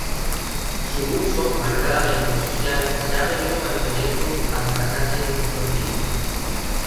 Su uso, marcadamente social, se ha venido manteniendo hasta casi nuestros días.